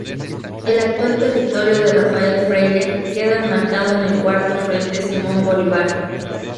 El actual territorio de Rafael Freyre queda enmarcado en el Cuarto Frente Simón Bolívar.